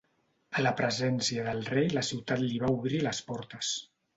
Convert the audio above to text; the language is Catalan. A la presència del rei la ciutat li va obrir les portes.